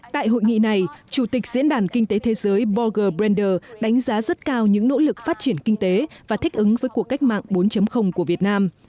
tại hội nghị này chủ tịch diễn đàn kinh tế thế giới bogle brander đánh giá rất cao những nỗ lực phát triển kinh tế và thích ứng với cuộc cách mạng bốn của việt nam